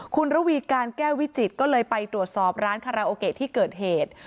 คุณระวีการแก้ววิจิตรก็เลยไปตรวจสอบร้านคาราโอเกะที่เกิดเหตุ